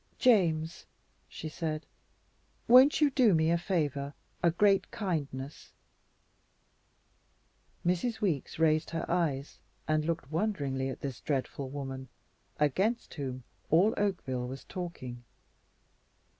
"James," she said, "won't you do me a favor, a great kindness?" Mrs. Weeks raised her eyes and looked wonderingly at this dreadful woman, against whom all Oakville was talking.